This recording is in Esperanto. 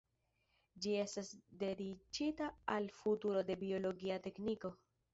Ĝi estas dediĉita al futuro de biologia tekniko.